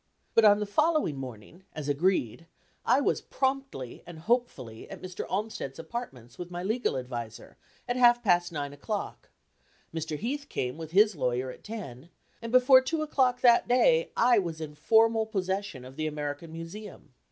But on the following morning, as agreed, I was promptly and hopefully at Mr. Olmstead's apartments with my legal adviser, at half past nine o'clock; Mr. Heath came with his lawyer at ten, and before two o'clock that day I was in formal possession of the American Museum.